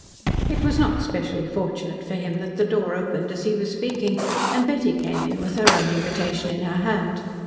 It was not specially fortunate for him that the door opened as he was speaking, and Betty came in with her own invitation in her hand.